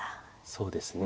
そうですね。